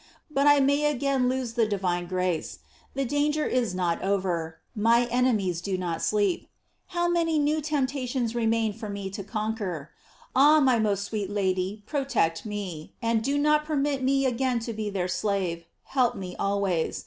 But I may again lose the divine grace; the danger is not over; my enemies do not sleep. How many new temptations remain for me to conquer! Ah, my most sweet Lady, protect me, and do not permit me again to be their slave; help me always.